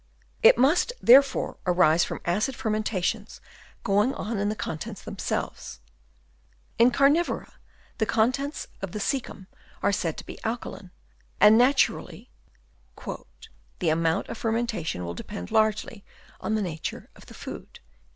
It " must therefore arise from acid fermenta " tions going on in the contents them " selves In Oarnivora the contents " of the coecum are said to be alkaline, " and naturally the " amount of fermentation "will depend largely on the nature of the "food."